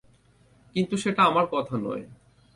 কিন্তু সেটা আমার কথা নয়।